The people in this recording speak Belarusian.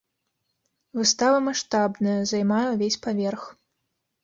Выстава маштабная, займае ўвесь паверх.